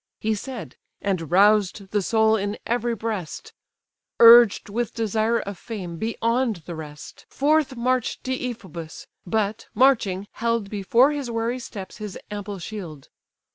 He said; and roused the soul in every breast: Urged with desire of fame, beyond the rest, Forth march'd Deiphobus; but, marching, held Before his wary steps his ample shield.